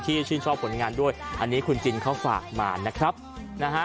ชื่นชอบผลงานด้วยอันนี้คุณจินเขาฝากมานะครับนะฮะ